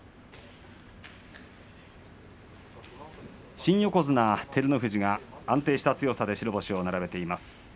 新横綱照ノ富士が安定した強さで白星を並べています。